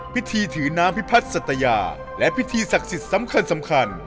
พิธีถือน้ำพิพัฒน์สัตยาและพิธีศักดิ์สิทธิ์สำคัญ